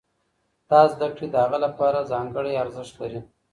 دا زده کړې د هغه لپاره ځانګړی ارزښت لري.